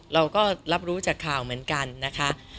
เราก็รับรู้จากข่าวเหมือนกันนะคะ